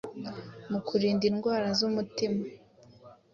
mu kurinda indwara z’umutima